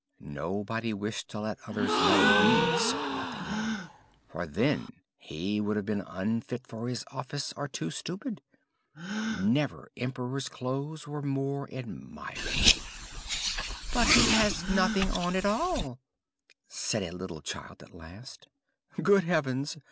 Nobody wished to let others know he saw nothing, for then he would have been unfit for his office or too stupid. Never emperor's clothes were more admired. "But he has nothing on at all," said a little child at last. "Good heavens!